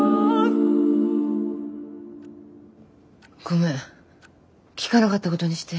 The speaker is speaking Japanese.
ごめん聞かなかったことにして。